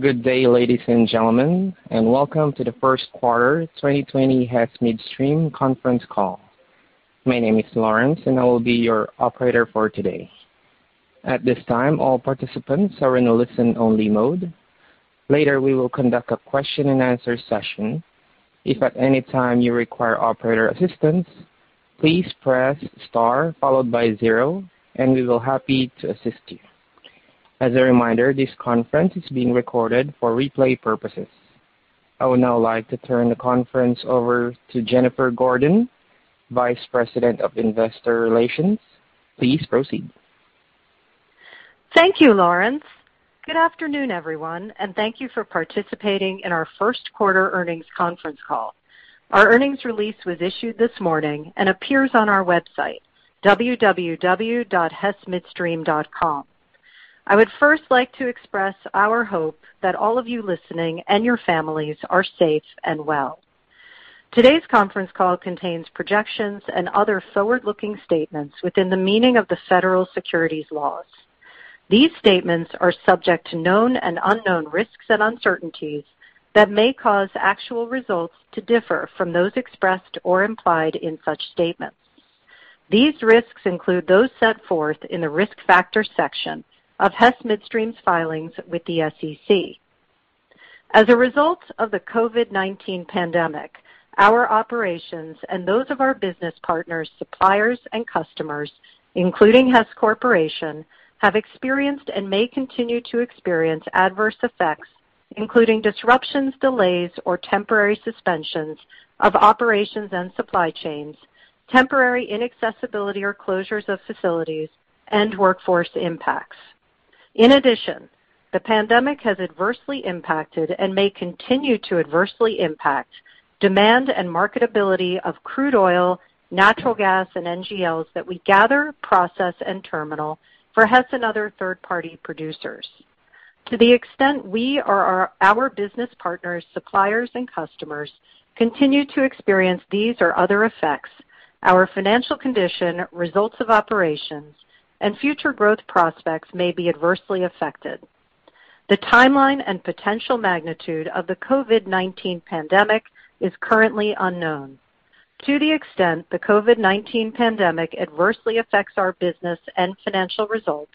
Good day, ladies and gentlemen, welcome to the first quarter 2020 Hess Midstream conference call. My name is Lawrence, I will be your operator for today. At this time, all participants are in a listen-only mode. Later, we will conduct a question and answer session. If at any time you require operator assistance, please press star followed by zero, and we will happy to assist you. As a reminder, this conference is being recorded for replay purposes. I would now like to turn the conference over to Jennifer Gordon, Vice President of Investor Relations. Please proceed. Thank you, Lawrence. Good afternoon, everyone, thank you for participating in our first quarter earnings conference call. Our earnings release was issued this morning, appears on our website, www.hessmidstream.com. I would first like to express our hope that all of you listening and your families are safe and well. Today's conference call contains projections and other forward-looking statements within the meaning of the federal securities laws. These statements are subject to known and unknown risks and uncertainties that may cause actual results to differ from those expressed or implied in such statements. These risks include those set forth in the risk factor section of Hess Midstream's filings with the SEC. As a result of the COVID-19 pandemic, our operations and those of our business partners, suppliers, and customers, including Hess Corporation, have experienced and may continue to experience adverse effects, including disruptions, delays, or temporary suspensions of operations and supply chains, temporary inaccessibility or closures of facilities, and workforce impacts. In addition, the pandemic has adversely impacted and may continue to adversely impact demand and marketability of crude oil, natural gas, and NGLs that we gather, process, and terminal for Hess and other third-party producers. To the extent we or our business partners, suppliers, and customers continue to experience these or other effects, our financial condition, results of operations, and future growth prospects may be adversely affected. The timeline and potential magnitude of the COVID-19 pandemic is currently unknown. To the extent the COVID-19 pandemic adversely affects our business and financial results,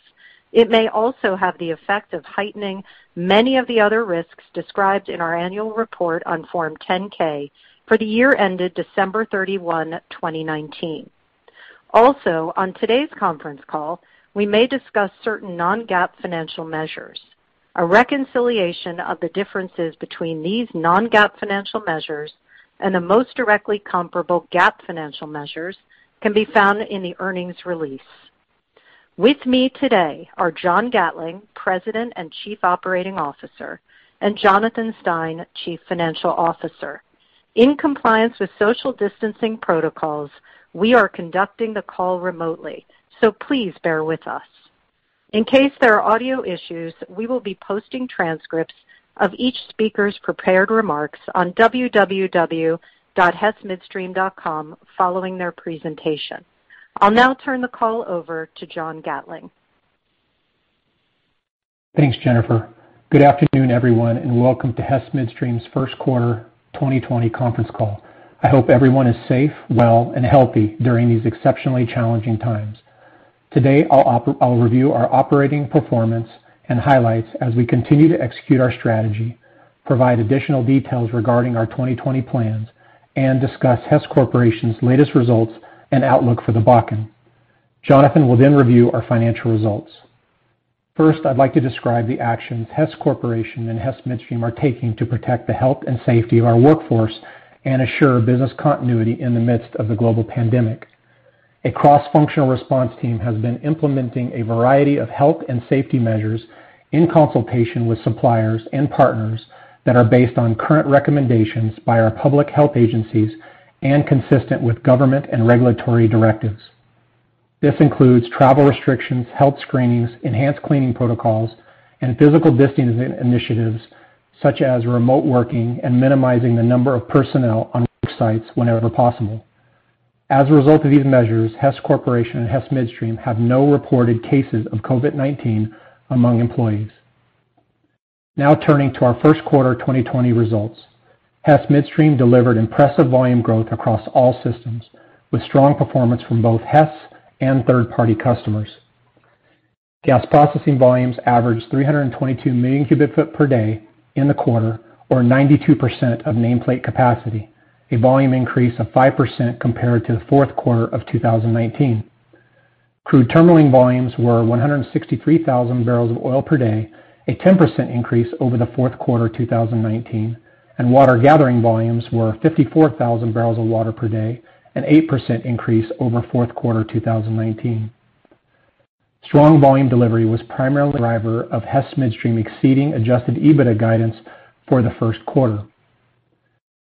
it may also have the effect of heightening many of the other risks described in our annual report on Form 10-K for the year ended December 31, 2019. On today's conference call, we may discuss certain non-GAAP financial measures. A reconciliation of the differences between these non-GAAP financial measures and the most directly comparable GAAP financial measures can be found in the earnings release. With me today are John Gatling, President and Chief Operating Officer, and Jonathan Stein, Chief Financial Officer. In compliance with social distancing protocols, we are conducting the call remotely, please bear with us. In case there are audio issues, we will be posting transcripts of each speaker's prepared remarks on www.hessmidstream.com following their presentation. I'll now turn the call over to John Gatling. Thanks, Jennifer. Good afternoon, everyone, and welcome to Hess Midstream's first-quarter 2020 conference call. I hope everyone is safe, well, and healthy during these exceptionally challenging times. Today, I'll review our operating performance and highlights as we continue to execute our strategy, provide additional details regarding our 2020 plans, and discuss Hess Corporation's latest results and outlook for the Bakken. Jonathan will then review our financial results. First, I'd like to describe the actions Hess Corporation and Hess Midstream are taking to protect the health and safety of our workforce and assure business continuity in the midst of the global pandemic. A cross-functional response team has been implementing a variety of health and safety measures in consultation with suppliers and partners that are based on current recommendations by our public health agencies and consistent with government and regulatory directives. This includes travel restrictions, health screenings, enhanced cleaning protocols, and physical distancing initiatives, such as remote working and minimizing the number of personnel on work sites whenever possible. As a result of these measures, Hess Corporation and Hess Midstream have no reported cases of COVID-19 among employees. Now turning to our first quarter 2020 results. Hess Midstream delivered impressive volume growth across all systems, with strong performance from both Hess and third-party customers. Gas processing volumes averaged 322 million cubic foot per day in the quarter, or 92% of nameplate capacity, a volume increase of 5% compared to the fourth quarter of 2019. Crude terminal volumes were 163,000 barrels of oil per day, a 10% increase over the fourth quarter 2019, and water gathering volumes were 54,000 barrels of water per day, an 8% increase over fourth quarter 2019. Strong volume delivery was primarily the driver of Hess Midstream exceeding adjusted EBITDA guidance for the first quarter.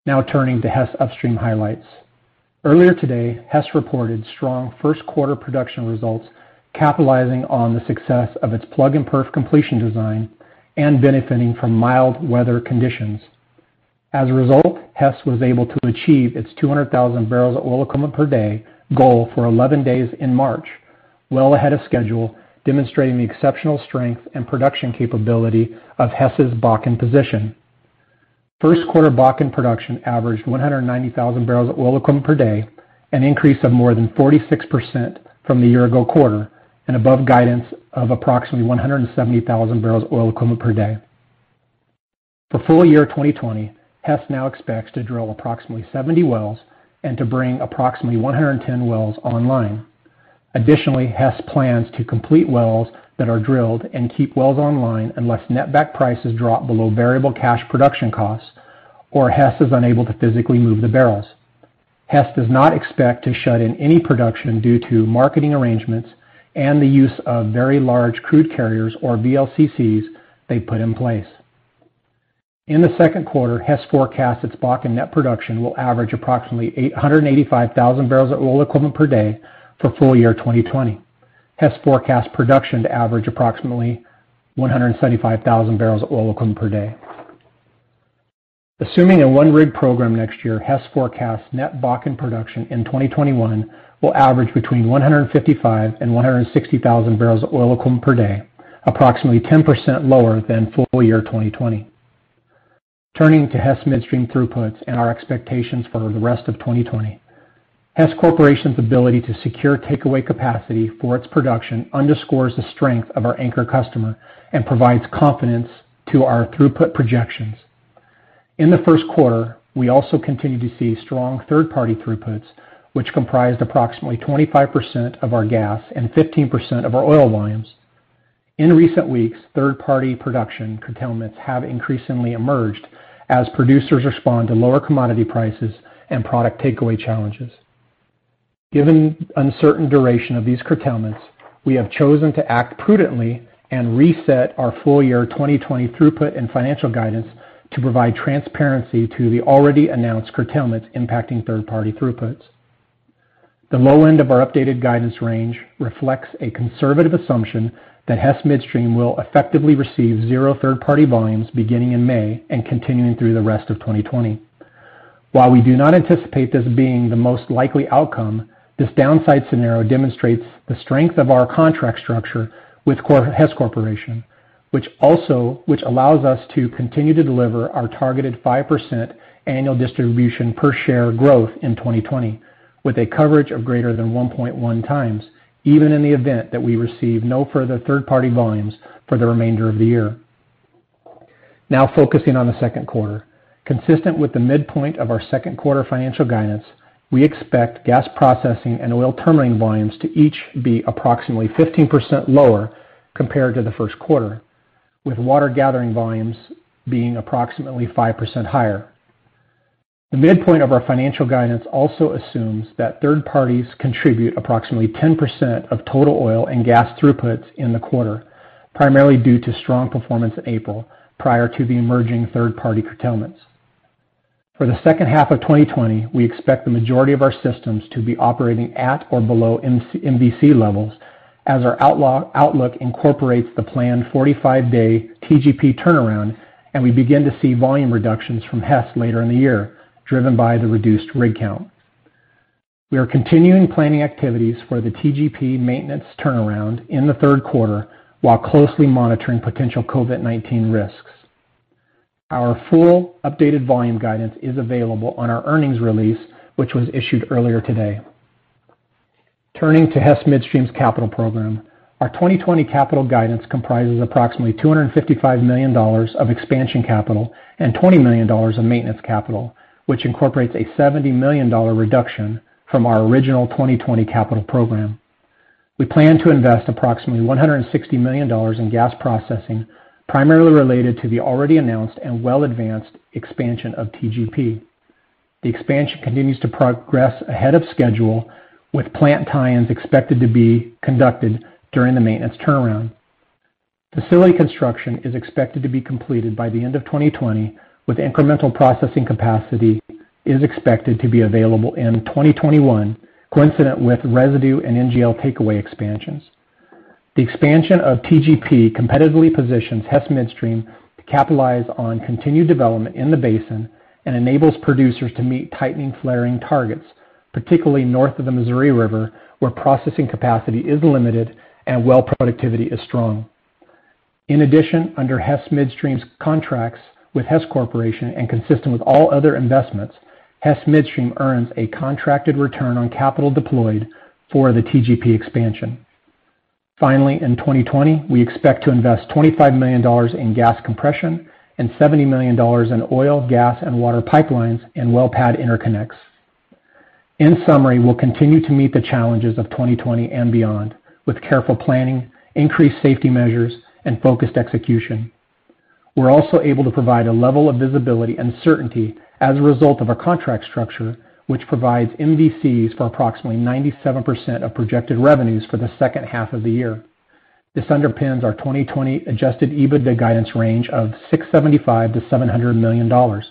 Now turning to Hess upstream highlights. Earlier today, Hess reported strong first-quarter production results capitalizing on the success of its plug and perf completion design and benefiting from mild weather conditions. As a result, Hess was able to achieve its 200,000 barrels of oil equivalent per day goal for 11 days in March, well ahead of schedule, demonstrating the exceptional strength and production capability of Hess's Bakken position. First quarter Bakken production averaged 190,000 barrels of oil equivalent per day, an increase of more than 46% from the year-ago quarter and above guidance of approximately 170,000 barrels of oil equivalent per day. For full year 2020, Hess now expects to drill approximately 70 wells and to bring approximately 110 wells online. Additionally, Hess plans to complete wells that are drilled and keep wells online unless net back prices drop below variable cash production costs or Hess is unable to physically move the barrels. Hess does not expect to shut in any production due to marketing arrangements and the use of Very Large Crude Carriers, or VLCCs, they put in place. In the second quarter, Hess forecasts its Bakken net production will average approximately 185,000 barrels of oil equivalent per day for full year 2020. Hess forecasts production to average approximately 175,000 barrels of oil equivalent per day. Assuming a one-rig program next year, Hess forecasts net Bakken production in 2021 will average between 155,000 and 160,000 barrels of oil equivalent per day, approximately 10% lower than full year 2020. Turning to Hess Midstream throughputs and our expectations for the rest of 2020. Hess Corporation's ability to secure takeaway capacity for its production underscores the strength of our anchor customer and provides confidence to our throughput projections. In the first quarter, we also continued to see strong third-party throughputs, which comprised approximately 25% of our gas and 15% of our oil volumes. In recent weeks, third-party production curtailments have increasingly emerged as producers respond to lower commodity prices and product takeaway challenges. Given the uncertain duration of these curtailments, we have chosen to act prudently and reset our full-year 2020 throughput and financial guidance to provide transparency to the already announced curtailments impacting third-party throughputs. The low end of our updated guidance range reflects a conservative assumption that Hess Midstream will effectively receive zero third-party volumes beginning in May and continuing through the rest of 2020. While we do not anticipate this being the most likely outcome, this downside scenario demonstrates the strength of our contract structure with Hess Corporation, which allows us to continue to deliver our targeted 5% annual distribution per share growth in 2020 with a coverage of greater than 1.1 times, even in the event that we receive no further third-party volumes for the remainder of the year. Now focusing on the second quarter. Consistent with the midpoint of our second quarter financial guidance, we expect gas processing and oil terminaling volumes to each be approximately 15% lower compared to the first quarter, with water gathering volumes being approximately 5% higher. The midpoint of our financial guidance also assumes that third parties contribute approximately 10% of total oil and gas throughputs in the quarter, primarily due to strong performance in April, prior to the emerging third-party curtailments. For the second half of 2020, we expect the majority of our systems to be operating at or below MVC levels as our outlook incorporates the planned 45-day TGP turnaround and we begin to see volume reductions from Hess later in the year, driven by the reduced rig count. We are continuing planning activities for the TGP maintenance turnaround in the third quarter while closely monitoring potential COVID-19 risks. Our full updated volume guidance is available on our earnings release, which was issued earlier today. Turning to Hess Midstream's capital program. Our 2020 capital guidance comprises approximately $255 million of expansion capital and $20 million of maintenance capital, which incorporates a $70 million reduction from our original 2020 capital program. We plan to invest approximately $160 million in gas processing, primarily related to the already announced and well-advanced expansion of TGP. The expansion continues to progress ahead of schedule, with plant tie-ins expected to be conducted during the maintenance turnaround. Facility construction is expected to be completed by the end of 2020, with incremental processing capacity is expected to be available in 2021, coincident with residue and NGL takeaway expansions. The expansion of TGP competitively positions Hess Midstream to capitalize on continued development in the basin and enables producers to meet tightening flaring targets, particularly north of the Missouri River, where processing capacity is limited and well productivity is strong. In addition, under Hess Midstream's contracts with Hess Corporation and consistent with all other investments, Hess Midstream earns a contracted return on capital deployed for the TGP expansion. Finally, in 2020, we expect to invest $25 million in gas compression and $70 million in oil, gas, and water pipelines and well pad interconnects. In summary, we'll continue to meet the challenges of 2020 and beyond with careful planning, increased safety measures, and focused execution. We're also able to provide a level of visibility and certainty as a result of a contract structure, which provides MVCs for approximately 97% of projected revenues for the second half of the year. This underpins our 2020 adjusted EBITDA guidance range of $675 million-$700 million,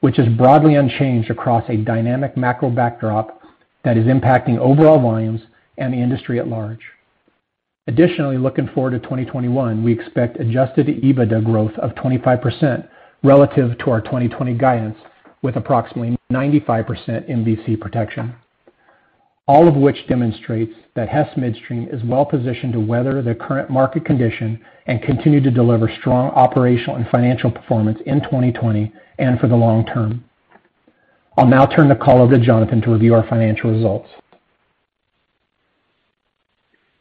which is broadly unchanged across a dynamic macro backdrop that is impacting overall volumes and the industry at large. Looking forward to 2021, we expect adjusted EBITDA growth of 25% relative to our 2020 guidance, with approximately 95% MVC protection. All of which demonstrates that Hess Midstream is well-positioned to weather the current market condition and continue to deliver strong operational and financial performance in 2020 and for the long term. I'll now turn the call over to Jonathan to review our financial results.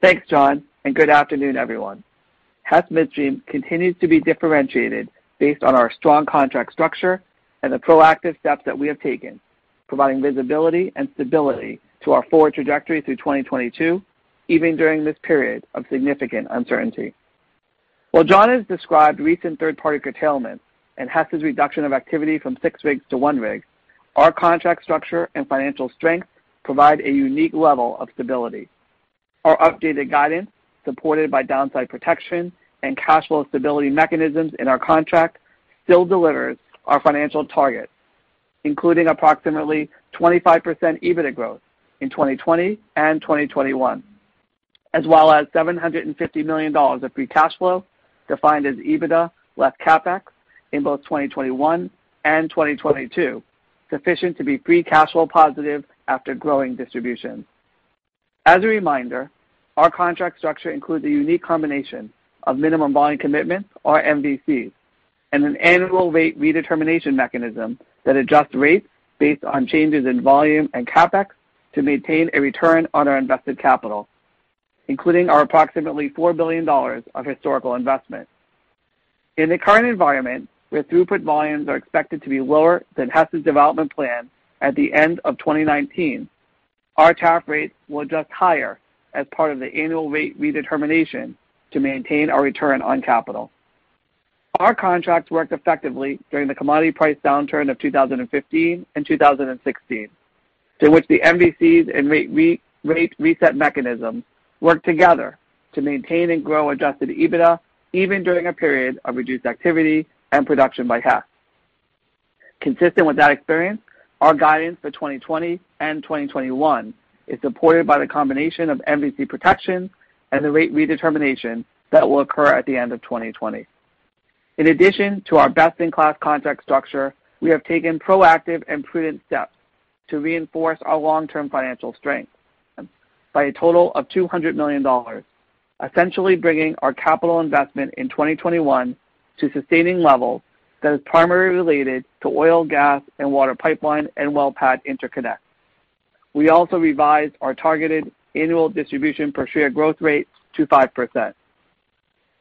Thanks, John, and good afternoon, everyone. Hess Midstream continues to be differentiated based on our strong contract structure and the proactive steps that we have taken, providing visibility and stability to our forward trajectory through 2022, even during this period of significant uncertainty. While John has described recent third-party curtailment and Hess's reduction of activity from six rigs to one rig, our contract structure and financial strength provide a unique level of stability. Our updated guidance, supported by downside protection and cash flow stability mechanisms in our contract, still delivers our financial targets, including approximately 25% EBITDA growth in 2020 and 2021. As well as $750 million of free cash flow, defined as EBITDA less CapEx, in both 2021 and 2022, sufficient to be free cash flow positive after growing distribution. As a reminder, our contract structure includes a unique combination of minimum volume commitments, or MVCs, and an annual rate redetermination mechanism that adjusts rates based on changes in volume and CapEx to maintain a return on our invested capital, including our approximately $4 billion of historical investment. In the current environment, where throughput volumes are expected to be lower than Hess's development plan at the end of 2019, our tariff rates will adjust higher as part of the annual rate redetermination to maintain our return on capital. Our contracts worked effectively during the commodity price downturn of 2015 and 2016, through which the MVCs and rate reset mechanism worked together to maintain and grow adjusted EBITDA even during a period of reduced activity and production by Hess. Consistent with that experience, our guidance for 2020 and 2021 is supported by the combination of MVC protection and the rate redetermination that will occur at the end of 2020. In addition to our best-in-class contract structure, we have taken proactive and prudent steps to reinforce our long-term financial strength by a total of $200 million, essentially bringing our capital investment in 2021 to sustaining levels that is primarily related to oil, gas, and water pipeline and well pad interconnects. We also revised our targeted annual distribution per share growth rate to 5%.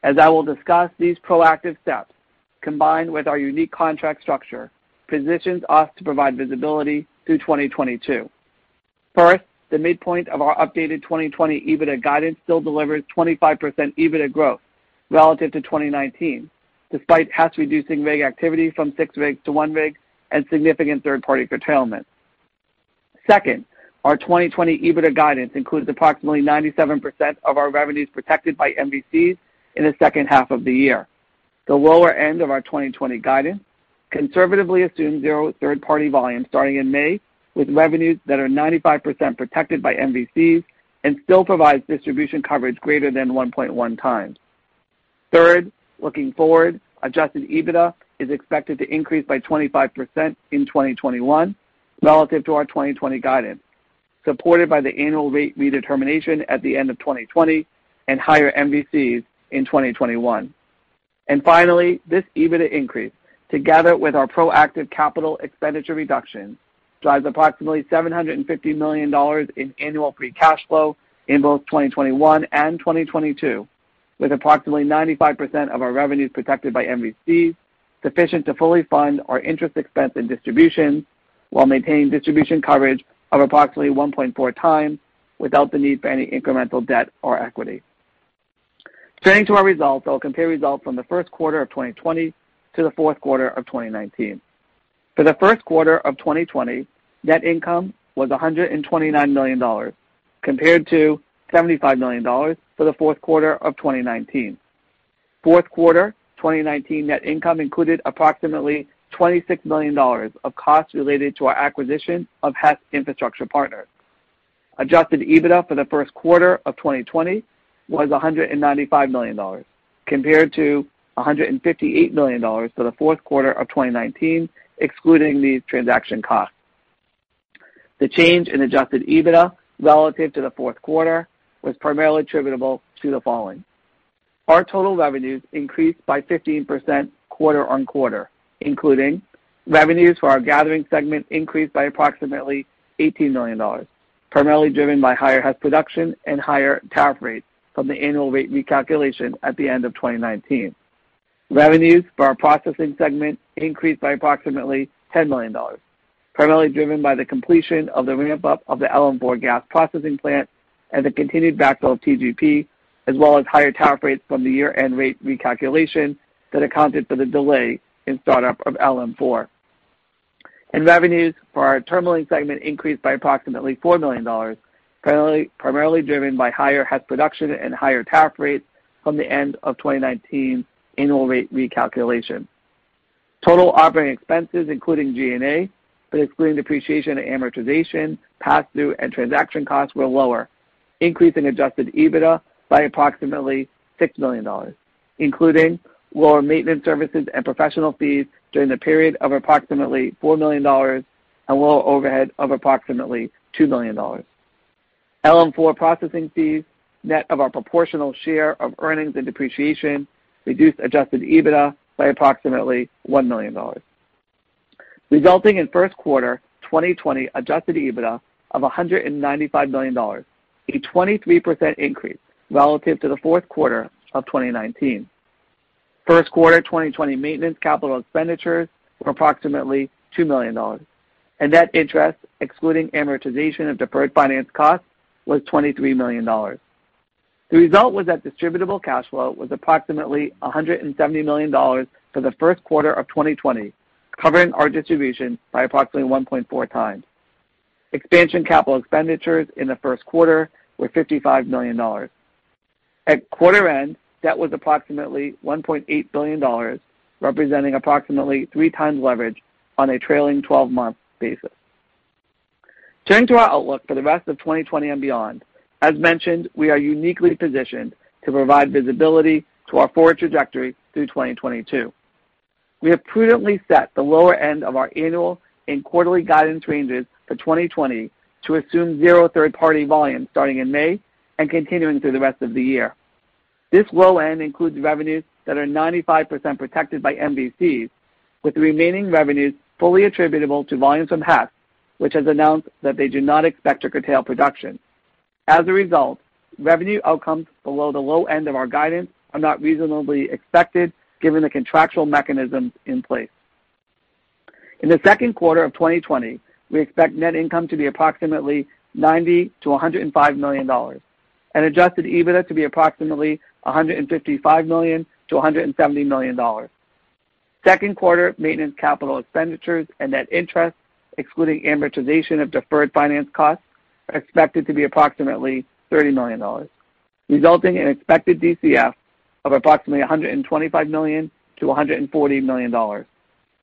As I will discuss, these proactive steps, combined with our unique contract structure, positions us to provide visibility through 2022. First, the midpoint of our updated 2020 EBITDA guidance still delivers 25% EBITDA growth relative to 2019, despite Hess reducing rig activity from six rigs to one rig and significant third-party curtailment. Second, our 2020 EBITDA guidance includes approximately 97% of our revenues protected by MVCs in the second half of the year. The lower end of our 2020 guidance conservatively assumes zero third-party volume starting in May, with revenues that are 95% protected by MVCs and still provides distribution coverage greater than 1.1 times. Third, looking forward, adjusted EBITDA is expected to increase by 25% in 2021 relative to our 2020 guidance, supported by the annual rate redetermination at the end of 2020 and higher MVCs in 2021. Finally, this EBITDA increase, together with our proactive capital expenditure reduction, drives approximately $750 million in annual free cash flow in both 2021 and 2022, with approximately 95% of our revenues protected by MVCs, sufficient to fully fund our interest expense and distribution while maintaining distribution coverage of approximately 1.4 times without the need for any incremental debt or equity. Turning to our results, I'll compare results from the first quarter of 2020 to the fourth quarter of 2019. For the first quarter of 2020, net income was $129 million compared to $75 million for the fourth quarter of 2019. Fourth quarter 2019 net income included approximately $26 million of costs related to our acquisition of Hess Infrastructure Partners. Adjusted EBITDA for the first quarter of 2020 was $195 million, compared to $158 million for the fourth quarter of 2019, excluding these transaction costs. The change in adjusted EBITDA relative to the fourth quarter was primarily attributable to the following. Our total revenues increased by 15% quarter-on-quarter, including revenues for our gathering segment increased by approximately $18 million, primarily driven by higher Hess production and higher tariff rates from the annual rate recalculation at the end of 2019. Revenues for our processing segment increased by approximately $10 million, primarily driven by the completion of the ramp-up of the LM4 gas processing plant and the continued backfill of TGP, as well as higher tariff rates from the year-end rate recalculation that accounted for the delay in startup of LM4. Revenues for our terminaling segment increased by approximately $4 million, primarily driven by higher Hess production and higher tariff rates from the end of 2019 annual rate recalculation. Total operating expenses, including G&A, but excluding depreciation and amortization, pass-through, and transaction costs were lower, increasing adjusted EBITDA by approximately $6 million, including lower maintenance services and professional fees during the period of approximately $4 million and lower overhead of approximately $2 million. LM4 processing fees, net of our proportional share of earnings and depreciation, reduced adjusted EBITDA by approximately $1 million, resulting in first quarter 2020 adjusted EBITDA of $195 million, a 23% increase relative to the fourth quarter of 2019. First quarter 2020 maintenance capital expenditures were approximately $2 million, and net interest, excluding amortization of deferred finance costs, was $23 million. The result was that distributable cash flow was approximately $170 million for the first quarter of 2020, covering our distribution by approximately 1.4 times. Expansion capital expenditures in the first quarter were $55 million. At quarter end, debt was approximately $1.8 billion, representing approximately 3 times leverage on a trailing 12-month basis. Turning to our outlook for the rest of 2020 and beyond, as mentioned, we are uniquely positioned to provide visibility to our forward trajectory through 2022. We have prudently set the lower end of our annual and quarterly guidance ranges for 2020 to assume zero third-party volumes starting in May and continuing through the rest of the year. This low end includes revenues that are 95% protected by MVCs, with the remaining revenues fully attributable to volumes from Hess, which has announced that they do not expect to curtail production. As a result, revenue outcomes below the low end of our guidance are not reasonably expected, given the contractual mechanisms in place. In the second quarter of 2020, we expect net income to be approximately $90 million-$105 million and adjusted EBITDA to be approximately $155 million-$170 million. Second quarter maintenance capital expenditures and net interest, excluding amortization of deferred finance costs, are expected to be approximately $30 million, resulting in expected DCF of approximately $125 million-$140 million,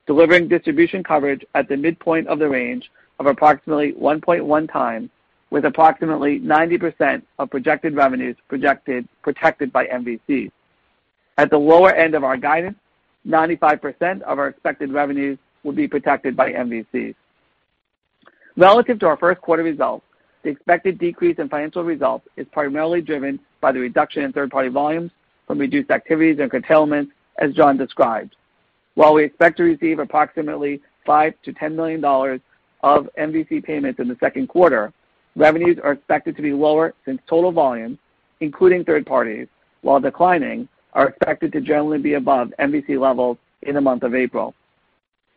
delivering distribution coverage at the midpoint of the range of approximately 1.1 times, with approximately 90% of projected revenues protected by MVCs. At the lower end of our guidance, 95% of our expected revenues will be protected by MVCs. Relative to our first quarter results, the expected decrease in financial results is primarily driven by the reduction in third-party volumes from reduced activities and curtailment, as John described. While we expect to receive approximately $5 million-$10 million of MVC payments in the second quarter, revenues are expected to be lower since total volumes, including third parties, while declining, are expected to generally be above MVC levels in the month of April.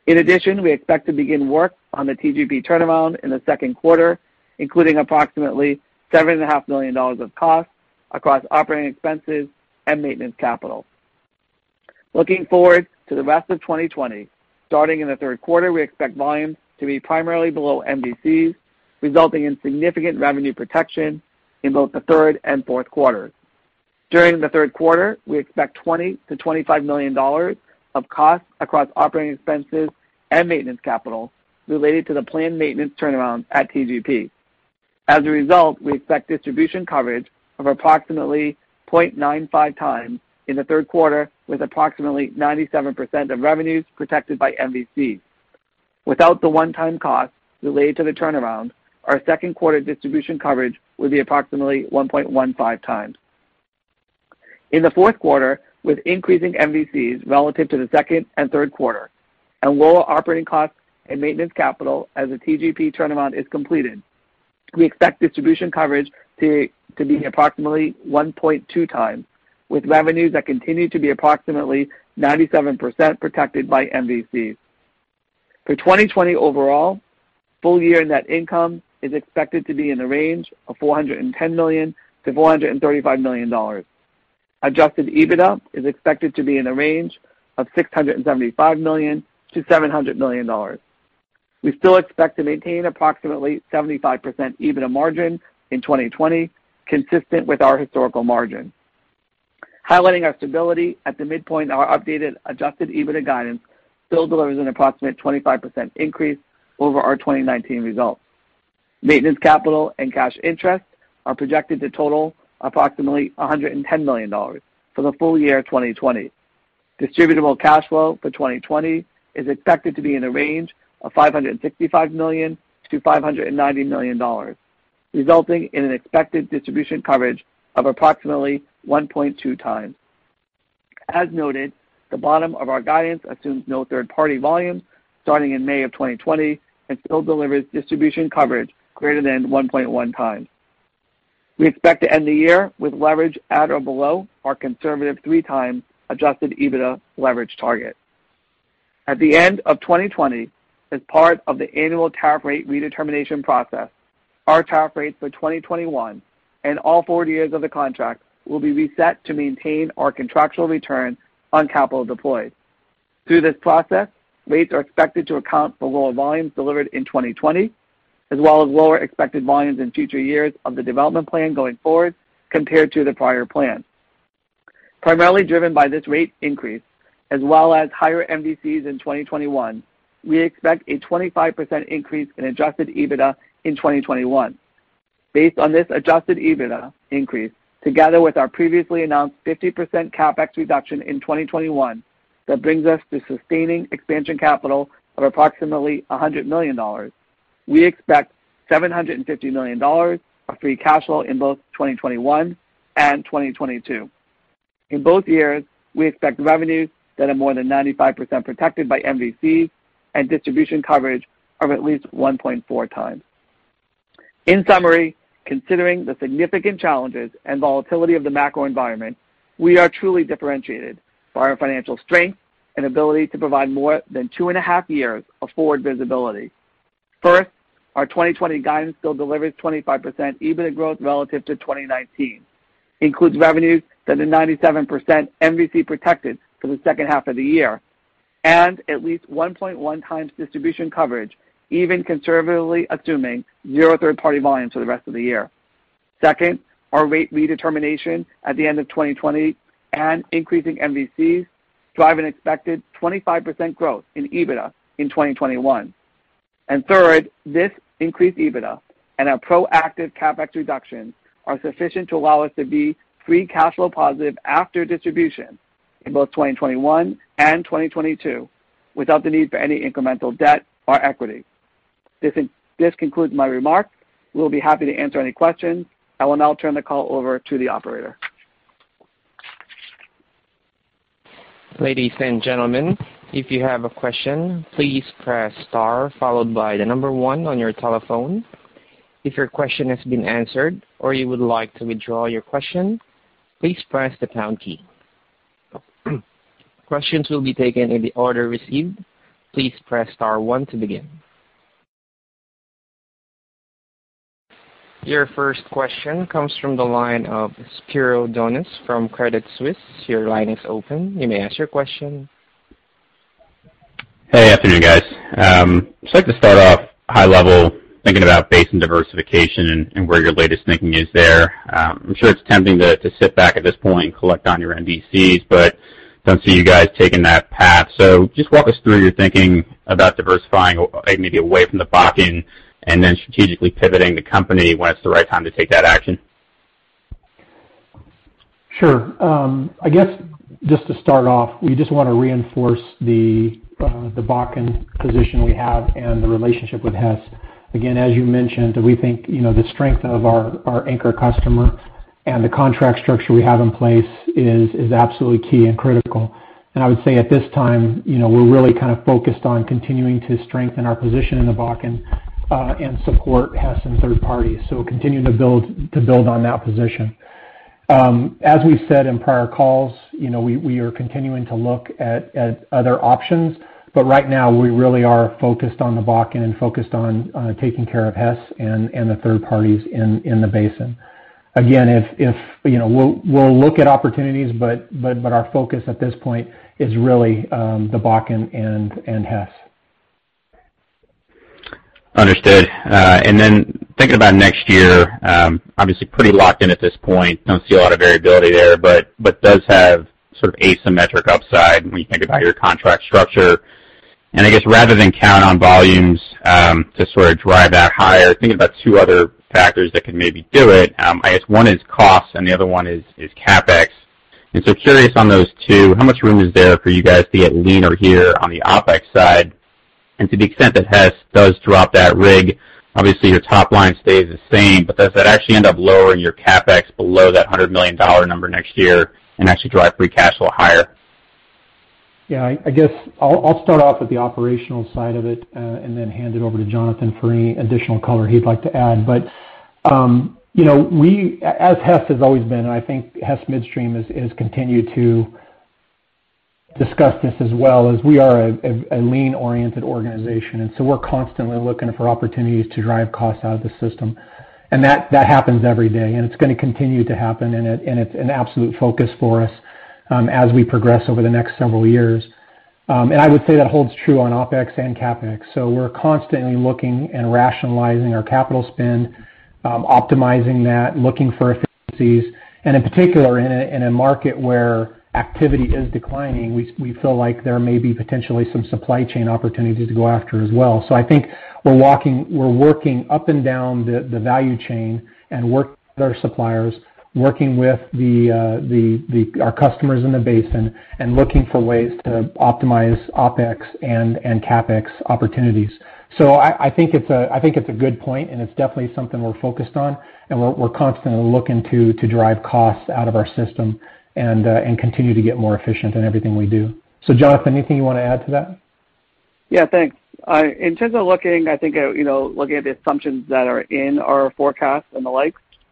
In addition, we expect to begin work on the TGP turnaround in the second quarter, including approximately $7.5 million of costs across operating expenses and maintenance capital. Looking forward to the rest of 2020, starting in the third quarter, we expect volumes to be primarily below MVCs, resulting in significant revenue protection in both the third and fourth quarters. During the third quarter, we expect $20 million-$25 million of costs across operating expenses and maintenance capital related to the planned maintenance turnaround at TGP. As a result, we expect distribution coverage of approximately 0.95 times in the third quarter, with approximately 97% of revenues protected by MVCs. Without the one-time costs related to the turnaround, our second quarter distribution coverage would be approximately 1.15 times. In the fourth quarter, with increasing MVCs relative to the second and third quarter and lower operating costs and maintenance capital as the TGP turnaround is completed, we expect distribution coverage to be approximately 1.2 times, with revenues that continue to be approximately 97% protected by MVCs. For 2020 overall, full-year net income is expected to be in the range of $410 million-$435 million. Adjusted EBITDA is expected to be in the range of $675 million-$700 million. We still expect to maintain approximately 75% EBITDA margin in 2020, consistent with our historical margin. Highlighting our stability, at the midpoint of our updated adjusted EBITDA guidance still delivers an approximate 25% increase over our 2019 results. Maintenance capital and cash interest are projected to total approximately $110 million for the full year 2020. Distributable cash flow for 2020 is expected to be in the range of $565 million-$590 million, resulting in an expected distribution coverage of approximately 1.2 times. As noted, the bottom of our guidance assumes no third-party volumes starting in May of 2020 and still delivers distribution coverage greater than 1.1 times. We expect to end the year with leverage at or below our conservative three times adjusted EBITDA leverage target. At the end of 2020, as part of the annual tariff rate redetermination process, our tariff rates for 2021 and all forward years of the contract will be reset to maintain our contractual return on capital deployed. Through this process, rates are expected to account for lower volumes delivered in 2020 as well as lower expected volumes in future years of the development plan going forward compared to the prior plan. Primarily driven by this rate increase, as well as higher MVCs in 2021, we expect a 25% increase in adjusted EBITDA in 2021. Based on this adjusted EBITDA increase, together with our previously announced 50% CapEx reduction in 2021 that brings us to sustaining expansion capital of approximately $100 million, we expect $750 million of free cash flow in both 2021 and 2022. In both years, we expect revenues that are more than 95% protected by MVC and distribution coverage of at least 1.4 times. In summary, considering the significant challenges and volatility of the macro environment, we are truly differentiated by our financial strength and ability to provide more than two and a half years of forward visibility. First, our 2020 guidance still delivers 25% EBITDA growth relative to 2019, includes revenues that are 97% MVC protected for the second half of the year, and at least 1.1 times distribution coverage, even conservatively assuming zero third-party volumes for the rest of the year. Second, our rate redetermination at the end of 2020 and increasing MVCs drive an expected 25% growth in EBITDA in 2021. Third, this increased EBITDA and our proactive CapEx reductions are sufficient to allow us to be free cash flow positive after distribution in both 2021 and 2022, without the need for any incremental debt or equity. This concludes my remarks. We'll be happy to answer any questions. I will now turn the call over to the operator. Ladies and gentlemen, if you have a question, please press star followed by the number one on your telephone. If your question has been answered or you would like to withdraw your question, please press the pound key. Questions will be taken in the order received. Please press star one to begin. Your first question comes from the line of Spiro Dounis from Credit Suisse. Your line is open. You may ask your question. Hey, afternoon guys. Like to start off high level thinking about basin diversification and where your latest thinking is there. I'm sure it's tempting to sit back at this point and collect on your MVCs, don't see you guys taking that path. Just walk us through your thinking about diversifying maybe away from the Bakken and then strategically pivoting the company when it's the right time to take that action. Sure. I guess to start off, we want to reinforce the Bakken position we have and the relationship with Hess. As you mentioned, we think the strength of our anchor customer and the contract structure we have in place is absolutely key and critical. I would say at this time, we're really kind of focused on continuing to strengthen our position in the Bakken, and support Hess and third parties. Continuing to build on that position. As we've said in prior calls, we are continuing to look at other options. Right now we really are focused on the Bakken and focused on taking care of Hess and the third parties in the basin. We'll look at opportunities, our focus at this point is really the Bakken and Hess. Understood. Thinking about next year, obviously pretty locked in at this point. Don't see a lot of variability there, does have sort of asymmetric upside when you think about your contract structure. I guess rather than count on volumes to sort of drive that higher, thinking about two other factors that could maybe do it. I guess one is cost and the other one is CapEx. Curious on those two, how much room is there for you guys to get leaner here on the OpEx side? To the extent that Hess does drop that rig, obviously your top line stays the same, does that actually end up lowering your CapEx below that $100 million number next year and actually drive free cash flow higher? I guess I'll start off with the operational side of it, then hand it over to Jonathan for any additional color he'd like to add. As Hess has always been, I think Hess Midstream has continued to discuss this as well, we are a lean-oriented organization, we're constantly looking for opportunities to drive costs out of the system. That happens every day, it's going to continue to happen. It's an absolute focus for us as we progress over the next several years. I would say that holds true on OpEx and CapEx. We're constantly looking and rationalizing our capital spend, optimizing that, looking for efficiencies. In particular, in a market where activity is declining, we feel like there may be potentially some supply chain opportunities to go after as well. I think we're working up and down the value chain and working with our suppliers, working with our customers in the basin, looking for ways to optimize OpEx and CapEx opportunities. I think it's a good point, it's definitely something we're focused on, we're constantly looking to drive costs out of our system and continue to get more efficient in everything we do. Jonathan, anything you want to add to that? Thanks. In terms of looking at the assumptions that are in our forecast and the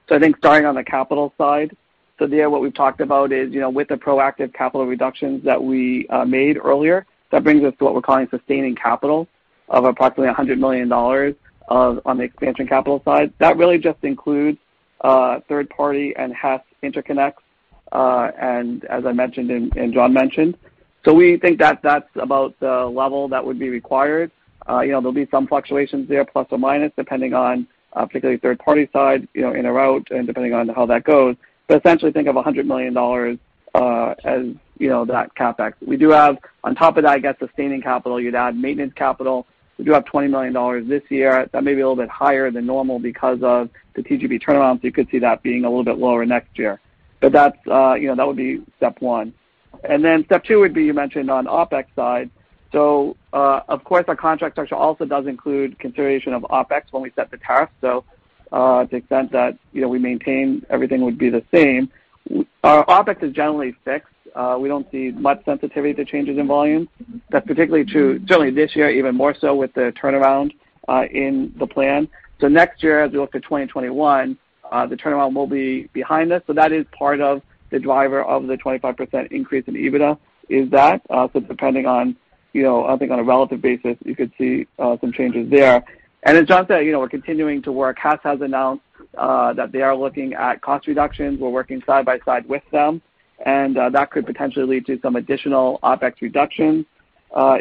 like, I think starting on the capital side. There what we've talked about is with the proactive capital reductions that we made earlier, that brings us to what we're calling sustaining capital of approximately $100 million on the expansion capital side. That really just includes third party and Hess interconnects. As I mentioned and John mentioned, we think that's about the level that would be required. There'll be some fluctuations there, plus or minus, depending on particularly third-party side, in and out, depending on how that goes. Essentially, think of $100 million as that CapEx. We do have, on top of that, I guess, sustaining capital. You'd add maintenance capital. We do have $20 million this year. That may be a little bit higher than normal because of the TGP turnaround, you could see that being a little bit lower next year. That would be step 1. Step 2 would be, you mentioned on OpEx side. Of course, our contract structure also does include consideration of OpEx when we set the tariff. To the extent that we maintain, everything would be the same. Our OpEx is generally fixed. We don't see much sensitivity to changes in volume. That's particularly true, certainly this year, even more so with the turnaround in the plan. Next year, as we look to 2021, the turnaround will be behind us. That is part of the driver of the 25% increase in EBITDA, is that. Depending on, I think on a relative basis, you could see some changes there. As John said, we're continuing to work. Hess has announced that they are looking at cost reductions. We're working side by side with them, that could potentially lead to some additional OpEx reductions,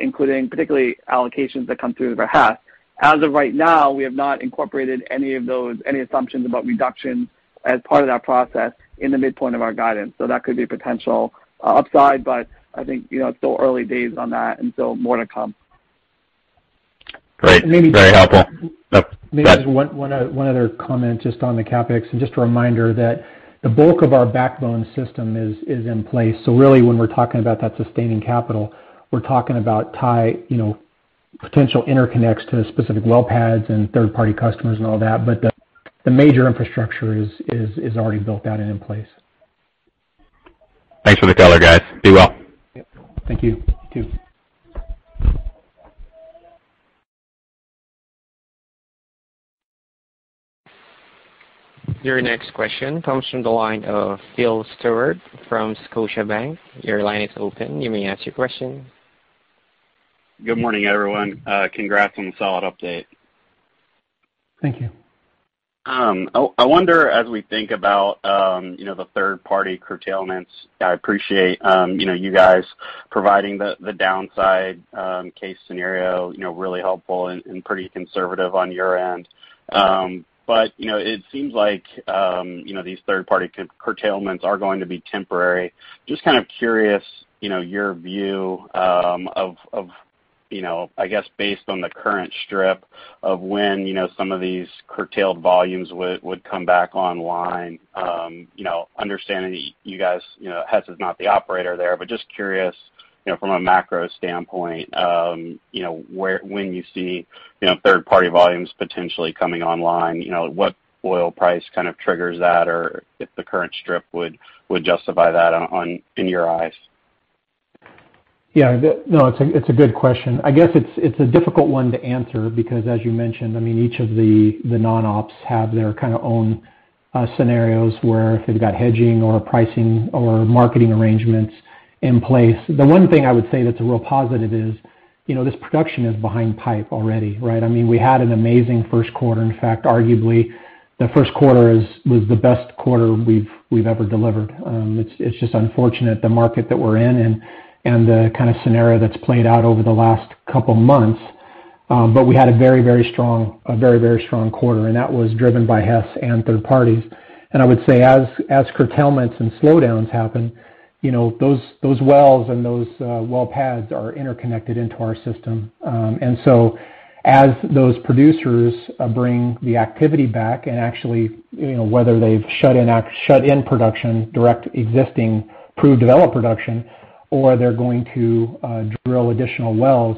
including particularly allocations that come through over Hess. As of right now, we have not incorporated any of those, any assumptions about reductions as part of that process in the midpoint of our guidance. That could be a potential upside, but I think it's still early days on that, more to come. Great. Very helpful. Yep. Maybe just one other comment just on the CapEx, just a reminder that the bulk of our backbone system is in place. Really, when we're talking about that sustaining capital, we're talking about potential interconnects to specific well pads and third-party customers and all that. The major infrastructure is already built out and in place. Thanks for the color, guys. Be well. Yep. Thank you. You, too. Your next question comes from the line of Phil Stewart from Scotiabank. Your line is open. You may ask your question. Good morning, everyone. Congrats on the solid update. Thank you. I wonder, as we think about the third-party curtailments, I appreciate you guys providing the downside case scenario, really helpful and pretty conservative on your end. It seems like these third-party curtailments are going to be temporary. Just kind of curious, your view of, I guess, based on the current strip of when some of these curtailed volumes would come back online. Understanding that Hess is not the operator there, just curious from a macro standpoint, when you see third-party volumes potentially coming online, what oil price kind of triggers that? Or if the current strip would justify that in your eyes. Yeah. No, it's a good question. I guess it's a difficult one to answer because, as you mentioned, each of the non-ops have their own scenarios where they've got hedging or pricing or marketing arrangements in place. The one thing I would say that's a real positive is, this production is behind pipe already, right? We had an amazing first quarter. In fact, arguably, the first quarter was the best quarter we've ever delivered. It's just unfortunate the market that we're in and the kind of scenario that's played out over the last couple of months. We had a very, very strong quarter, and that was driven by Hess and third parties. I would say, as curtailments and slowdowns happen, those wells and those well pads are interconnected into our system. As those producers bring the activity back and actually, whether they've shut in production, direct existing proved developed production, or they're going to drill additional wells,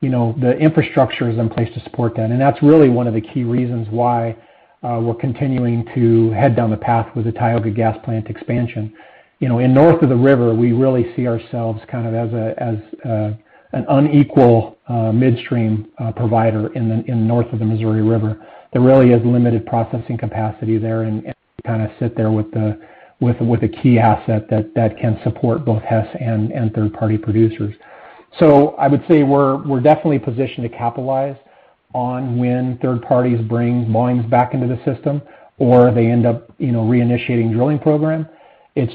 the infrastructure is in place to support that. That's really one of the key reasons why we're continuing to head down the path with the Tioga Gas Plant expansion. In north of the river, we really see ourselves kind of as an unequal midstream provider in north of the Missouri River. There really is limited processing capacity there, and we kind of sit there with a key asset that can support both Hess and third-party producers. I would say we're definitely positioned to capitalize on when third parties bring volumes back into the system or they end up reinitiating drilling program. It's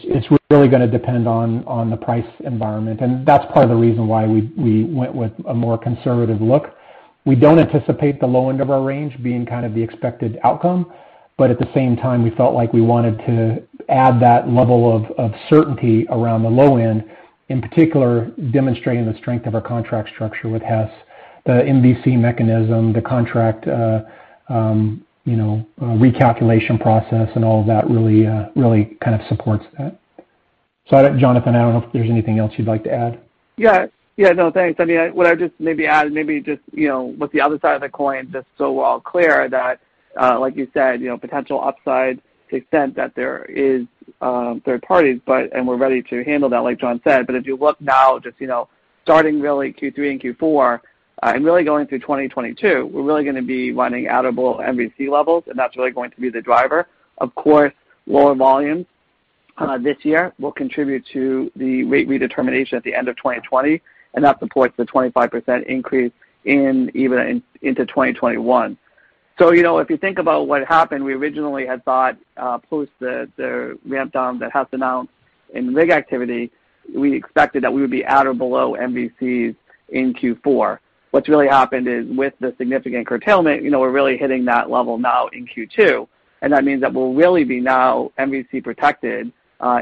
really going to depend on the price environment, that's part of the reason why we went with a more conservative look. We don't anticipate the low end of our range being kind of the expected outcome. At the same time, we felt like we wanted to add that level of certainty around the low end, in particular, demonstrating the strength of our contract structure with Hess, the MVC mechanism, the contract recalculation process, and all of that really kind of supports that. Jonathan, I don't know if there's anything else you'd like to add. Yeah. No, thanks. What I'd just maybe add, maybe just with the other side of the coin, just so we're all clear that, like you said, potential upside to the extent that there is third parties, and we're ready to handle that, like John said. If you look now, just starting really Q3 and Q4, and really going through 2022, we're really going to be running out of low MVC levels, and that's really going to be the driver. Of course, lower volumes this year will contribute to the rate redetermination at the end of 2020, and that supports the 25% increase into 2021. If you think about what happened, we originally had thought post the ramp down that Hess announced in rig activity, we expected that we would be at or below MVCs in Q4. What's really happened is with the significant curtailment, we're really hitting that level now in Q2, and that means that we'll really be now MVC protected,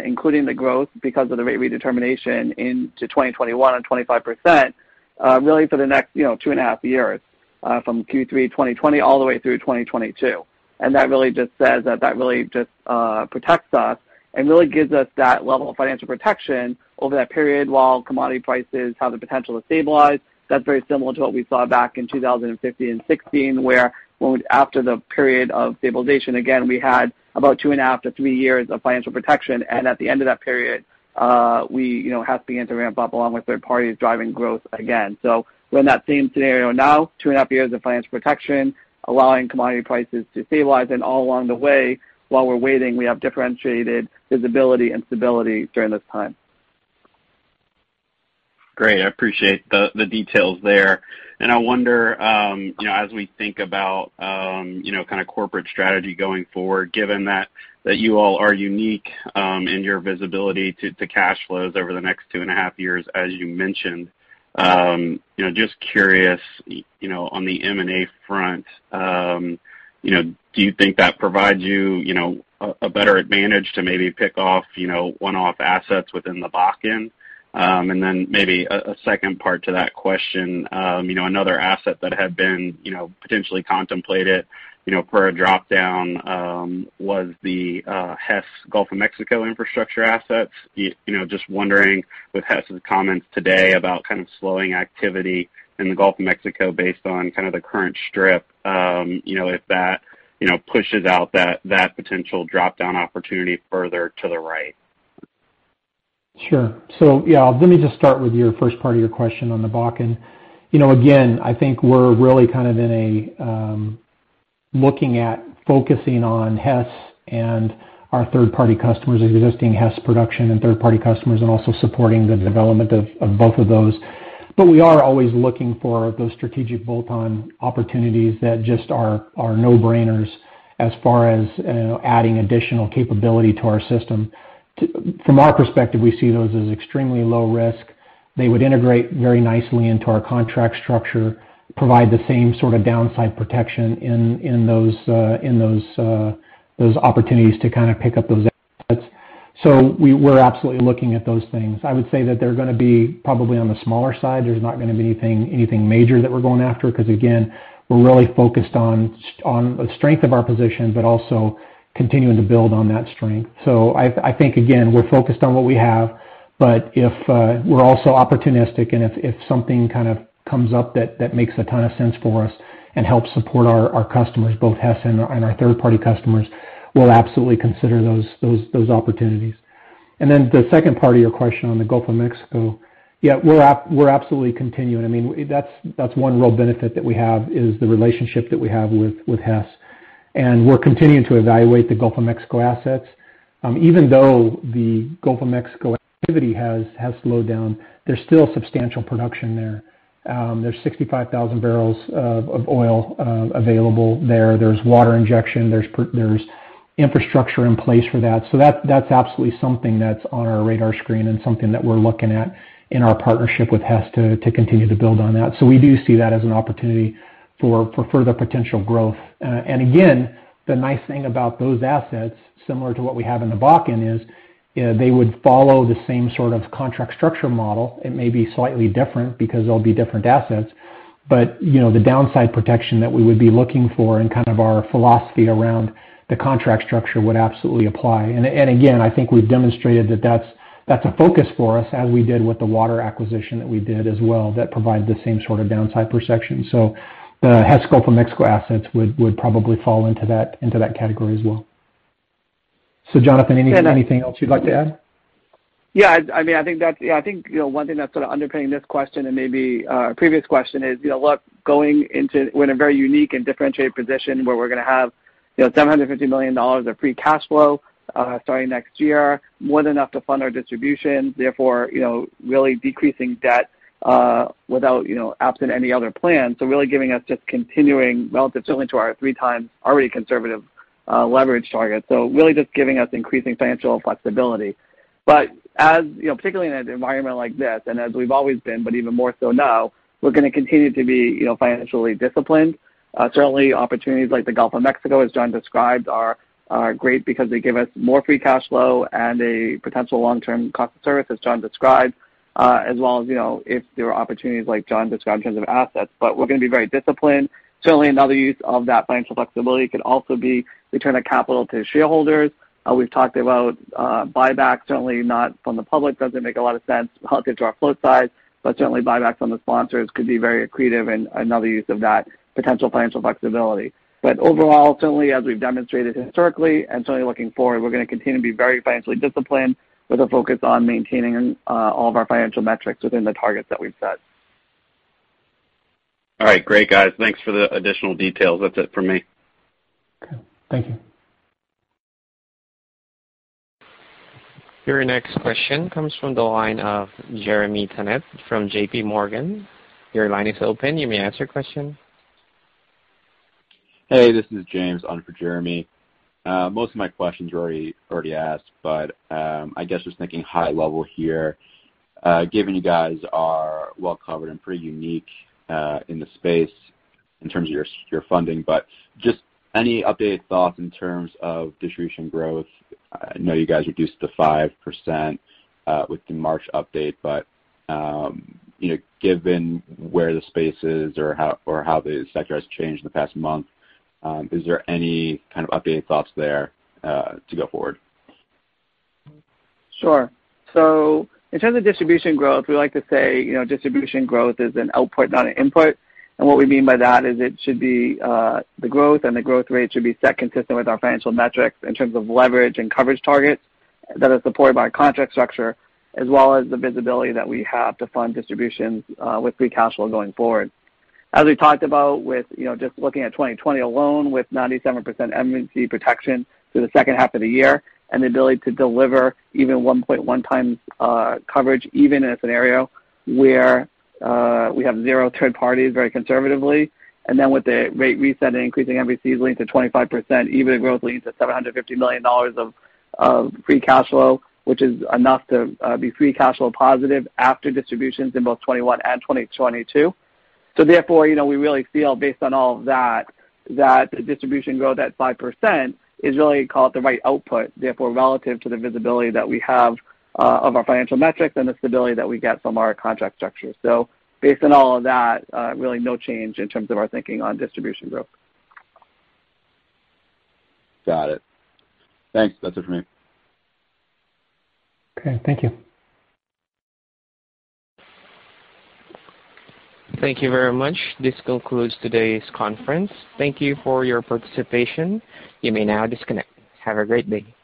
including the growth because of the rate redetermination into 2021 at 25%, really for the next two and a half years, from Q3 2020 all the way through 2022. That really just says that that really just protects us and really gives us that level of financial protection over that period while commodity prices have the potential to stabilize. That's very similar to what we saw back in 2015 and 2016, where after the period of stabilization, again, we had about two and a half to three years of financial protection, and at the end of that period, Hess began to ramp up along with third parties driving growth again. We're in that same scenario now, two and a half years of financial protection, allowing commodity prices to stabilize, and all along the way, while we're waiting, we have differentiated visibility and stability during this time. Great. I appreciate the details there. I wonder, as we think about corporate strategy going forward, given that you all are unique in your visibility to cash flows over the next two and a half years, as you mentioned. Just curious, on the M&A front, do you think that provides you a better advantage to maybe pick off one-off assets within the Bakken? Maybe a second part to that question, another asset that had been potentially contemplated for a drop-down was the Hess Gulf of Mexico infrastructure assets. Just wondering, with Hess's comments today about kind of slowing activity in the Gulf of Mexico based on kind of the current strip, if that pushes out that potential drop-down opportunity further to the right. Sure. Let me just start with your first part of your question on the Bakken. I think we're really looking at focusing on Hess and our third-party customers, existing Hess production and third-party customers, and also supporting the development of both of those. We are always looking for those strategic bolt-on opportunities that just are no-brainers as far as adding additional capability to our system. From our perspective, we see those as extremely low risk. They would integrate very nicely into our contract structure, provide the same sort of downside protection in those opportunities to kind of pick up those assets. We're absolutely looking at those things. I would say that they're going to be probably on the smaller side. There's not going to be anything major that we're going after, because again, we're really focused on the strength of our position, but also continuing to build on that strength. I think, again, we're focused on what we have, but we're also opportunistic, and if something comes up that makes a ton of sense for us and helps support our customers, both Hess and our third-party customers, we'll absolutely consider those opportunities. The second part of your question on the Gulf of Mexico. Yeah, we're absolutely continuing. That's one real benefit that we have is the relationship that we have with Hess. We're continuing to evaluate the Gulf of Mexico assets. Even though the Gulf of Mexico activity has slowed down, there's still substantial production there. There's 65,000 barrels of oil available there. There's water injection, there's infrastructure in place for that. That's absolutely something that's on our radar screen and something that we're looking at in our partnership with Hess to continue to build on that. We do see that as an opportunity for further potential growth. Again, the nice thing about those assets, similar to what we have in the Bakken, is they would follow the same sort of contract structure model. It may be slightly different because they'll be different assets, but the downside protection that we would be looking for and kind of our philosophy around the contract structure would absolutely apply. Again, I think we've demonstrated that that's a focus for us as we did with the water acquisition that we did as well, that provides the same sort of downside protection. The Hess Gulf of Mexico assets would probably fall into that category as well. Jonathan, anything else you'd like to add? Yeah. I think one thing that's sort of underpinning this question and maybe our previous question is, look, we're in a very unique and differentiated position where we're going to have $750 million of free cash flow starting next year, more than enough to fund our distribution, therefore really decreasing debt without absent any other plan. Really giving us just continuing relative certainly to our three times already conservative leverage target. Really just giving us increasing financial flexibility. Particularly in an environment like this, and as we've always been, but even more so now, we're going to continue to be financially disciplined. Certainly opportunities like the Gulf of Mexico, as John described, are great because they give us more free cash flow and a potential long-term cost of service as John described, as well as if there are opportunities like John described in terms of assets. We're going to be very disciplined. Certainly another use of that financial flexibility could also be return of capital to shareholders. We've talked about buybacks, certainly not from the public, doesn't make a lot of sense relative to our flow size, but certainly buybacks from the sponsors could be very accretive and another use of that potential financial flexibility. Overall, certainly as we've demonstrated historically and certainly looking forward, we're going to continue to be very financially disciplined with a focus on maintaining all of our financial metrics within the targets that we've set. All right. Great, guys. Thanks for the additional details. That's it from me. Okay. Thank you. Your next question comes from the line of Jeremy Tonet from JPMorgan. Your line is open. You may ask your question. Hey, this is James on for Jeremy. I guess just thinking high level here, given you guys are well covered and pretty unique in the space in terms of your funding, just any updated thoughts in terms of distribution growth? I know you guys reduced to 5% with the March update, given where the space is or how the sector has changed in the past month, is there any kind of updated thoughts there to go forward? Sure. In terms of distribution growth, we like to say distribution growth is an output, not an input. What we mean by that is the growth and the growth rate should be set consistent with our financial metrics in terms of leverage and coverage targets that are supported by our contract structure, as well as the visibility that we have to fund distributions with free cash flow going forward. As we talked about with just looking at 2020 alone, with 97% MVC protection through the second half of the year, and the ability to deliver even 1.1 times coverage, even in a scenario where we have zero third parties, very conservatively, and then with the rate reset and increasing MVCs leading to 25%, even the growth leads to $750 million of free cash flow, which is enough to be free cash flow positive after distributions in both 2021 and 2022. Therefore, we really feel, based on all of that the distribution growth at 5% is really called the right output, therefore relative to the visibility that we have of our financial metrics and the stability that we get from our contract structure. Based on all of that, really no change in terms of our thinking on distribution growth. Got it. Thanks. That's it for me. Okay. Thank you. Thank you very much. This concludes today's conference. Thank you for your participation. You may now disconnect. Have a great day.